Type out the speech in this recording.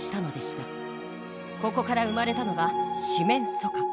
ここから生まれたのが「四面楚歌」。